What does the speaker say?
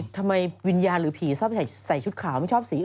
ทำไมวิญญาณหรือผีสามารถใส่ชุดขาว